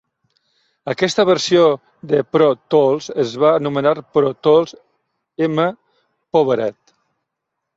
Aquesta versió de Pro Tools es va anomenar Pro Tools M-Powered.